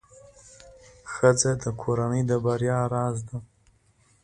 ښځه د کورنۍ د بریا راز ده.